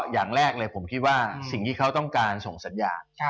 อย่างแรกเลยผมคิดว่าสิ่งที่เขาต้องการส่งสัญญา